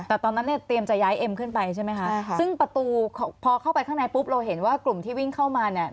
แต่ตอนนั้นเนี่ยเตรียมจะย้ายเอ็มขึ้นไปใช่ไหมคะใช่ค่ะซึ่งประตูพอเข้าไปข้างในปุ๊บเราเห็นว่ากลุ่มที่วิ่งเข้ามาเนี่ย